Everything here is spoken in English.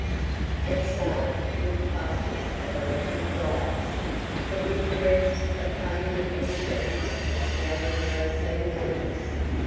s and starred with clusters of electric lights, but with wreaths of homely evergreens and smelly kerosene lamps.